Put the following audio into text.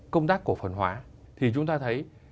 công tác cổ phân hóa thì chúng ta thấy